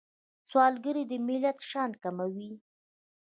سوالګري د ملت شان کموي